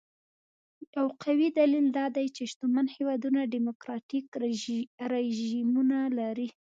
یو قوي دلیل دا دی چې شتمن هېوادونه ډیموکراټیک رژیمونه لري.